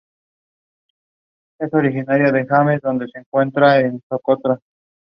Al día siguiente se abrió al público.